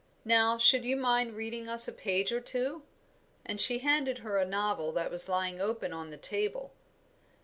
Now should you mind reading us a page or two?" And she handed her a novel that was lying open on the table.